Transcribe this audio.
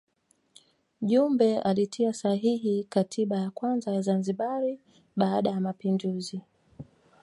Jumbe alitia sahihi katiba ya kwanza ya Zanzibar baada ya mapinduzi